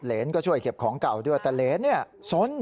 เหรนก็ช่วยเก็บของเก่าด้วยแต่เหรนเนี่ยสน